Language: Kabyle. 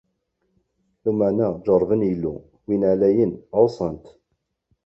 Lameɛna jeṛṛben Illu, Win Ɛlayen, ɛuṣan-t.